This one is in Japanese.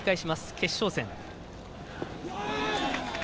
決勝戦。